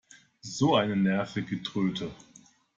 So eine nervige Tröte!